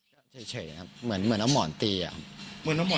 เธอก็เคยเมียตีหรือว่า